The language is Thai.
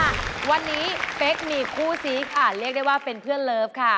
วันนี้เป๊กมีคู่ซีค่ะเรียกได้ว่าเป็นเพื่อนเลิฟค่ะ